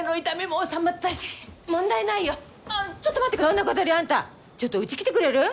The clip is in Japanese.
そんなことよりあんたちょっとうち来てくれる？